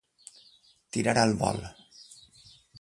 Tirar al vol.